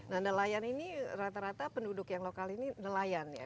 nah nelayan ini rata rata penduduk yang lokal ini nelayan ya